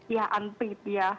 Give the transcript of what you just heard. ya unpaid ya